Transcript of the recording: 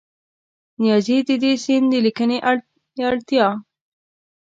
نیازي د دې سیند د لیکنې د اړتیا